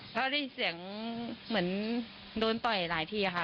ก็ได้ยินเสียงเหมือนโดนต่อยหลายทีค่ะ